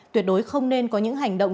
tuyệt đối không nên có những hành động